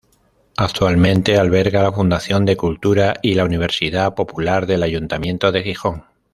Actualmente alberga la Fundación de Cultura y la Universidad Popular del Ayuntamiento de Gijón.